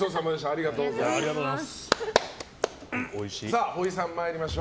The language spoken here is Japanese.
ありがとうございます。